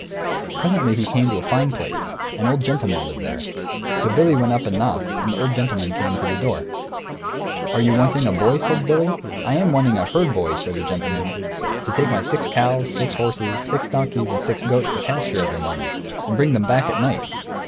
Presently he came to a fine place; an old gentleman lived there. So Billy went up and knocked, and the old gentleman came to the door. "Are you wanting a boy?" says Billy. "I am wanting a herd boy," says the gentleman, "to take my six cows, six horses, six donkeys, and six goats to pasture every morning, and bring them back at night.